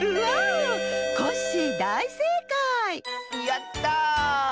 やった！